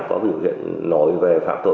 có biểu hiện nổi về phạm tội